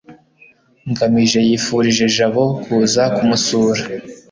ngamije yifurije jabo kuza kumusura